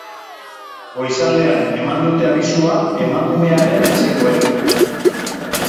Goizaldean eman dute abisua emakumearen etxekoek.